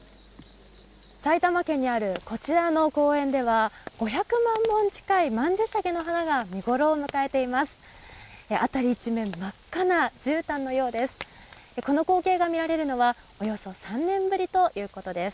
埼玉県にあるこちらの公園では５００万本近い曼珠沙華の花が見ごろを迎えています。